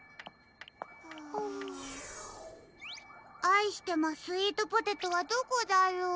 「あいしてまスイートポテト」はどこだろう？